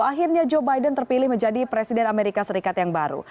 akhirnya joe biden terpilih menjadi presiden amerika serikat yang baru